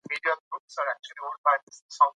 د جرمونو او غلاو کچه ټیټیږي.